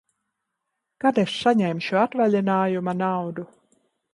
Kad es saņemšu atvaļinājuma naudu?